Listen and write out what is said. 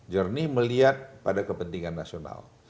jernih melihat pada kepentingan nasional